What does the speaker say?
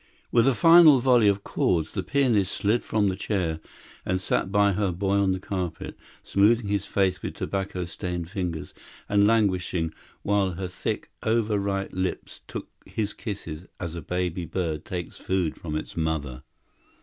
With a final volley of chords, the pianist slid from the chair, and sat by her boy on the carpet, smoothing his face with tobacco stained fingers, and languishing, while her thick, over ripe lips took his kisses as a baby bird takes food from its mother.